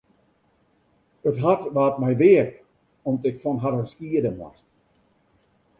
It hart waard my weak om't ik fan harren skiede moast.